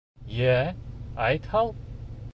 Йә, әйт һал.